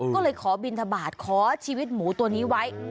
ก็เลยขอบินทบาทขอชีวิตหมูตัวนี้ไว้